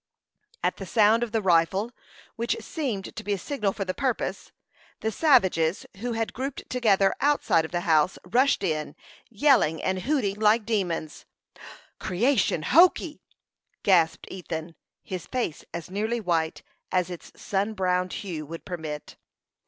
At the sound of the rifle, which seemed to be a signal for the purpose, the savages who had grouped together outside of the house rushed in, yelling and hooting like demons. "Creation hokee!" gasped Ethan, his face as nearly white as its sun browned hue would permit.